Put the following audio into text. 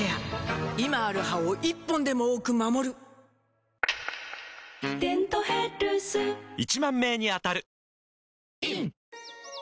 今ある歯を１本でも多く守る「デントヘルス」１０，０００名に当たる！